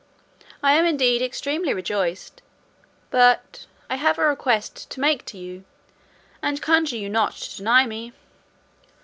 I am indeed extremely rejoiced. But I have a request to make to you, and conjure you not to deny me."